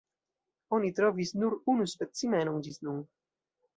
Oni trovis nur unu specimenon ĝis nun.